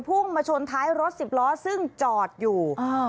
พุ่งมาชนท้ายรถสิบล้อซึ่งจอดอยู่อ่า